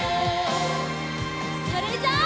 それじゃあ。